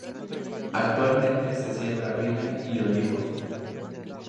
Actualmente se siembra viña y olivos.